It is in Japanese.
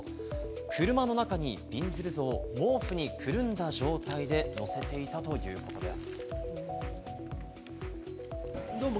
車の中に、びんずる像を毛布にくるんだ状態で載せていたということです。